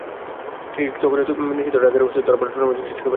ঠিক তখনই নিষিদ্ধ ড্রাগের অস্তিত্ব ধরা পড়ে টুর্নামেন্ট থেকে ছিটকে গেলেন।